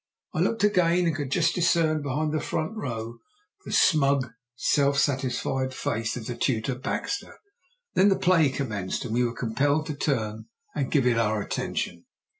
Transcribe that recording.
I looked again, and could just discern behind the front row the smug, self satisfied face of the tutor Baxter. Then the play commenced, and we were compelled to turn and give it our attention.